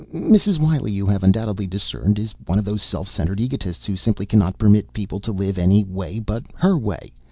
Mrs. Wiley, you have undoubtedly discerned, is one of those self centered egotists who simply cannot permit people to live any way but her way.